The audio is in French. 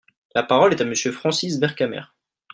La parole est à Monsieur Francis Vercamer.